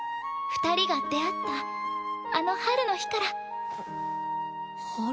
二人が出会ったあの春の日から。